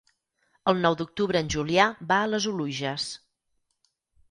El nou d'octubre en Julià va a les Oluges.